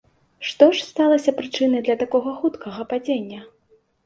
Што ж сталася прычынай для такога хуткага падзення?